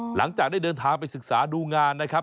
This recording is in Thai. หลังจากได้เดินทางไปศึกษาดูงานนะครับ